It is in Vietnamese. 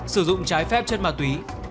sử dụng trái phép chất mà túy